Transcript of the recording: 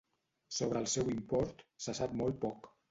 Sobre el seu import se sap molt poc.